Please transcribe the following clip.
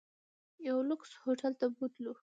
یو لوکس هوټل ته بوتلو.